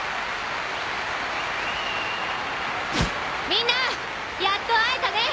みんなやっと会えたね！